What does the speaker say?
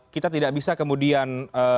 kita tidak bisa kemudian